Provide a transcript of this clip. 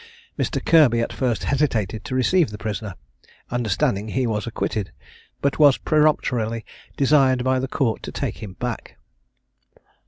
Mr. Kirby at first hesitated to receive the prisoner, understanding he was acquitted; but was peremptorily desired by the Court to take him back.